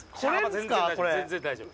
全然大丈夫